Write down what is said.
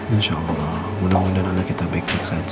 insya allah mudah mudahan anda kita baik baik saja